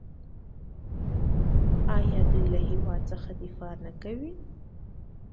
آیا دوی له هیواد څخه دفاع نه کوي؟